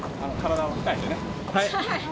はい！